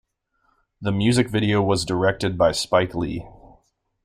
The music video was directed by Spike Lee.